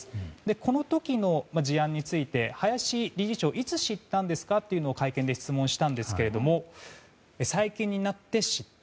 この時の事案について林理事長はいつ知ったんですかと会見で質問をしたんですが最近になって知った。